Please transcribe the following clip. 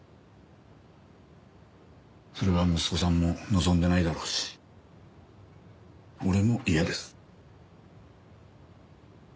それは息子さんも望んでないだろうし俺も嫌です。